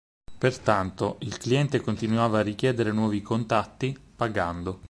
Pertanto, il cliente continuava a richiedere nuovi contatti, pagando.